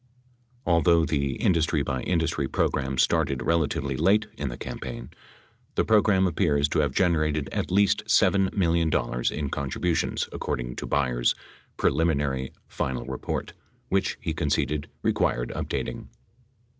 Although the industry iby industry program started relatively late in the campaign, the program appears to have generated at least $7 million in contributions, according to Byers' "preliminary final report" which, he conceded, required updating.